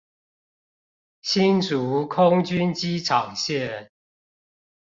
新竹空軍機場線